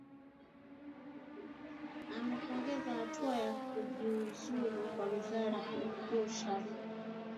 amepongeza hatua ya kujiuzulu kwa waziri mkuu shafe